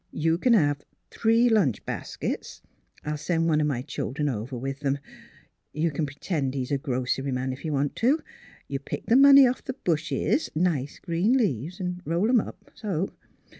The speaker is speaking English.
You can have three lunch baskets. I'll send one of my children over with them. You can p'tend he's a grocery man, if you want to. You pick the money off the bushes — nice green leaves ; roll 'em up, so